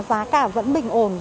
giá cả vẫn bình ổn